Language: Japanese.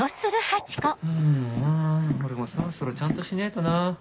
はぁあ俺もそろそろちゃんとしねえとな。